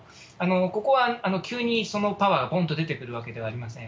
ここは急にそのパワー、ぽんと出てくるわけではありません。